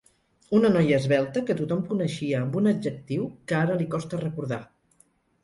Una noia esvelta que tothom coneixia amb un adjectiu que ara li costa recordar.